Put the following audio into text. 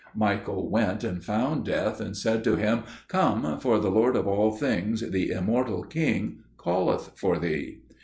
Michael went and found Death, and said to him, "Come, for the Lord of all things, the Immortal King, calleth for thee."